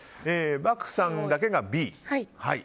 漠さんだけがＢ。